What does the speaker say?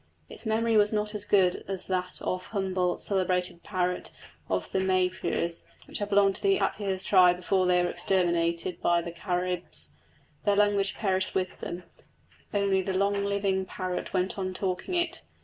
Its memory was not as good as that of Humboldt's celebrated parrot of the Maipures, which had belonged to the Apures tribe before they were exterminated by the Caribs. Their language perished with them, only the long living parrot went on talking it.